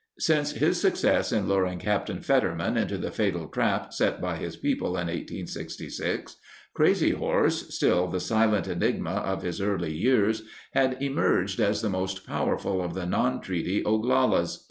Since his success in luring Captain Fetterman into the fatal trap set by his people in 1866, Crazy Horse, still the silent enigma of his early years, had emerged as the most powerful of the non treaty Oglalas.